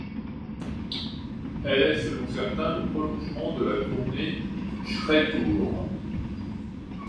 Elle est selon certains le prolongement de la tournée Schrei Tour.